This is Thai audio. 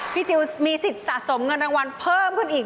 จิลมีสิทธิ์สะสมเงินรางวัลเพิ่มขึ้นอีก